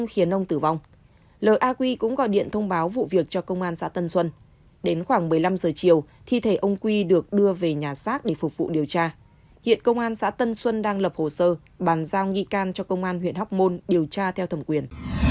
hiện công an xã tân xuân đang lập hồ sơ bàn giao nghị can cho công an huyện hóc môn điều tra theo thẩm quyền